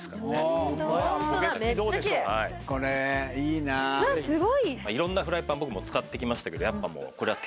いろんなフライパン僕も使ってきましたけどこれは。